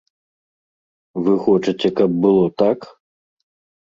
Вы хочаце, каб было так?